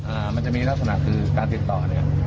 มันจะมีลักษณะคือการติดต่อเนี่ย